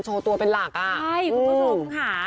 ก็รอติดตามกันนะครับ